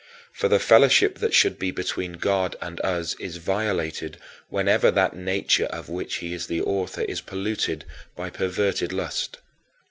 For the fellowship that should be between God and us is violated whenever that nature of which he is the author is polluted by perverted lust.